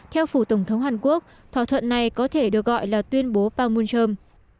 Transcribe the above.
theo phủ tổng thống hàn quốc thỏa thuận này có thể được gọi là tuyên bố pangmunchom